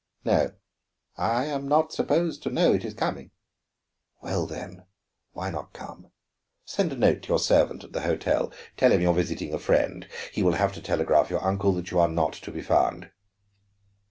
"No. I am not supposed to know it is coming." "Well, then, why not come? Send a note to your servant at the hotel, and tell him you are visiting a friend. He will have to telegraph your uncle that you are not to be found."